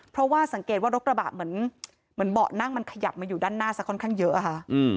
เพราะว่าสังเกตว่ารถกระบะเหมือนเบาะนั่งมันขยับมาอยู่ด้านหน้าซะค่อนข้างเยอะค่ะ